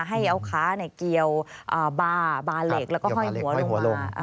ให้เอาขาเกี่ยวบาร์เหล็กและห้อยหัวลง